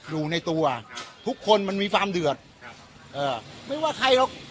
อยู่ในตัวทุกคนมันมีความเดือดครับเอ่อไม่ว่าใครหรอก